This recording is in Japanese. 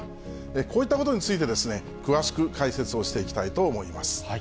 こういったことについて、詳しく解説をしていきたいと思います。